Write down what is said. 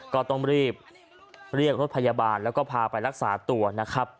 ก็ต้องรีบเรียกรถพยาบาลแล้วก็พาไปรักษาตัวนะครับ